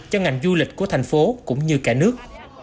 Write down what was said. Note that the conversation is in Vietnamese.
cho ngành du lịch của thành phố cũng như cả nước